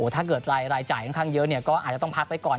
ถ้าเกิดรายลายจ่ายกำลังเยอะก็อาจจะต้องพักไปก่อน